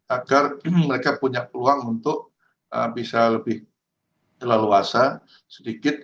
agar mereka punya peluang untuk bisa lebih leluasa sedikit